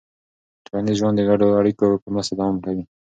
ټولنیز ژوند د ګډو اړیکو په مرسته دوام کوي.